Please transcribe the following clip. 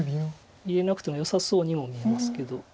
入れなくてもよさそうにも見えますけど。